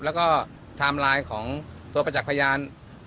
แล้วก็ตายมาของตัวประจักษ์พยาน